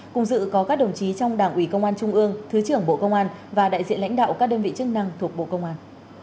cùng dự có các đồng chí trong đảng ủy công an trung ương thứ trưởng bộ công an và đại diện lãnh đạo các đơn vị chức năng thuộc bộ công an